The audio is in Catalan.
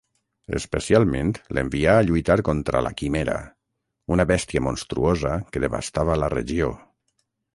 Especialment l'envià a lluitar contra la Quimera, una bèstia monstruosa que devastava la regió.